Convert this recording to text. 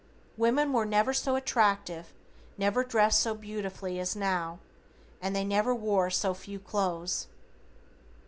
Women were never so attractive, never dressed so beautifully as now, and they never wore so few clothes.